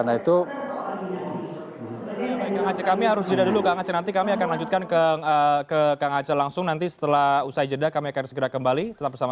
nah seharusnya kita berharap bahwa